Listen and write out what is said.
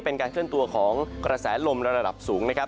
เป็นการเคลื่อนตัวของกระแสลมระดับสูงนะครับ